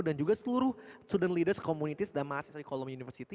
dan juga seluruh student leaders community dan mahasiswa di kolomia university